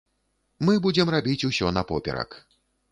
Мы будзем рабіць усё напоперак.